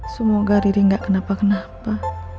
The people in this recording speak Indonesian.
semoga riri gak kenapa kenapa